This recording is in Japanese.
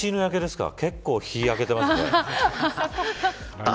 結構、日に焼けてますね。